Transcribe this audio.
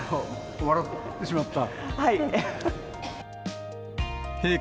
笑ってしまった。